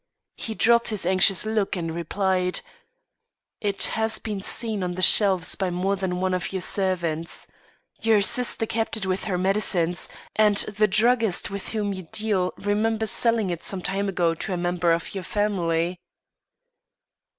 He dropped his anxious look, and replied: "It has been seen on the shelves by more than one of your servants. Your sister kept it with her medicines, and the druggist with whom you deal remembers selling it some time ago to a member of your family."